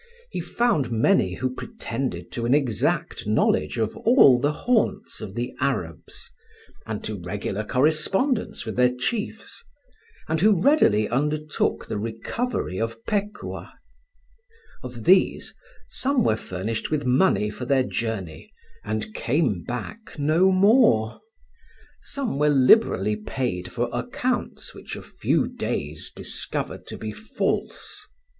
He found many who pretended to an exact knowledge of all the haunts of the Arabs, and to regular correspondence with their chiefs, and who readily undertook the recovery of Pekuah. Of these, some were furnished with money for their journey, and came back no more; some were liberally paid for accounts which a few days discovered to be false.